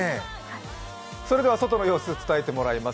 それでは外の様子を伝えてもらいます。